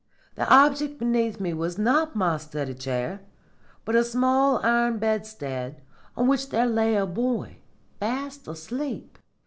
The object beneath me was not my study chair, but a small iron bedstead on which there lay a boy, fast asleep.